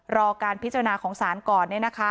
รอการพิจารณาของศาลก่อน